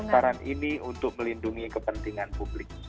besaran ini untuk melindungi kepentingan publik